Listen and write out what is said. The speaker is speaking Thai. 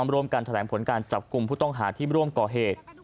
ร่วมกันแถลงผลการจับกลุ่มผู้ต้องหาที่ร่วมก่อเหตุ